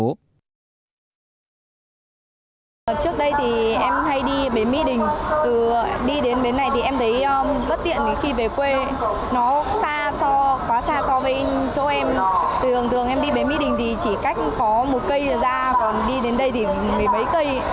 nó xa so quá xa so với chỗ em thường thường em đi bến mỹ đình thì chỉ cách có một cây là ra còn đi đến đây thì mấy cây